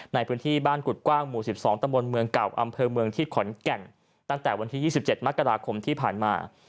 ในพื้นที่บ้านกุฎกว้างหมู่๑๒ตำบลเมืองเก่าอำเภอเมืองที่ขอนแก่นตั้งแต่วันที่๒๗มกราคมที่ผ่านมา